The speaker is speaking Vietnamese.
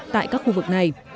tại các khu vực này